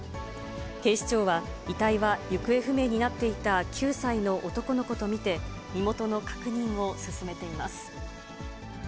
警視庁は、遺体は行方不明になっていた９歳の男の子と見て身元の確認を進めています。